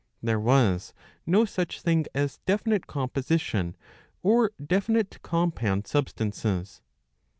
There was no such thing as definite composition, or definite compound substances.